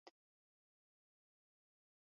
چوریا لاسته اونزنا؛ ترينو ګړدود